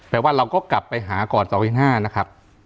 แปลว่าเราก็กลับไปหาก่อน๒ปี๕นะครับ